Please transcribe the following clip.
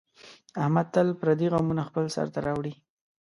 احمد تل پردي غمونه خپل سر ته راوړي.